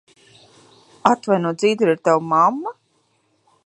Atvaino, Dzidra ir tava mamma?